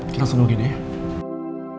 kita langsung begini ya